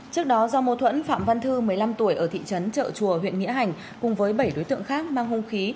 trước đó do mô thuẫn phạm văn thư một mươi năm tuổi ở thị trấn trợ chùa huyện nghĩa hành cùng với bảy đối tượng khác mang hung khí